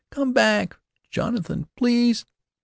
"Come back, Jonathan, please."